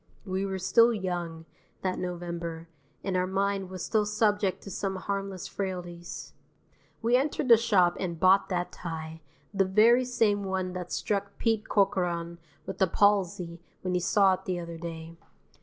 (We were still young, that November, and our mind was still subject to some harmless frailties.) We entered the shop and bought that tie, the very same one that struck Pete Corcoran with a palsy when he saw it the other day.